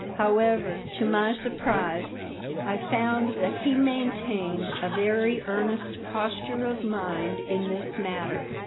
However, to my surprise, I found that he maintained a very earnest posture of mind in this matter.